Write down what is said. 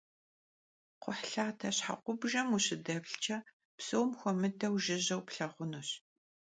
Kxhuhlhate şheğubjjem vukhışıdeplhç'e psom xuemıdeu jjıjeu plhağunuş.